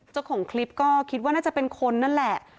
เจ้าของคลิปก็คิดว่าน่าจะเป็นคนนั่นแหละ